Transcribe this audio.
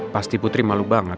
pasti putri malu banget